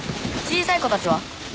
小さい子たちは？